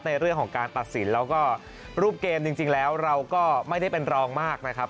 ในเรื่องของการตัดสินแล้วก็รูปเกมจริงแล้วเราก็ไม่ได้เป็นรองมากนะครับ